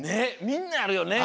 みんなあるよね。